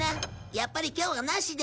やっぱり今日はなしで。